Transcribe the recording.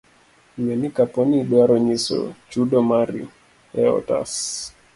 Ng'e ni kapo ni idwaro nyiso chudo mari e otas.